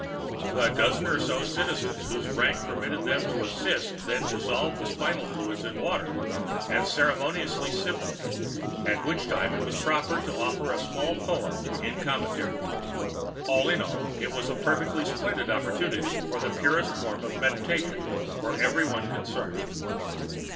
The dozen or so Citizens whose rank permitted them to assist then dissolved the spinal fluids in water and ceremoniously sipped them, at which time it was proper to offer a small poem in commentary. All in all, it was a perfectly splendid opportunity for the purest form of meditation for everyone concerned.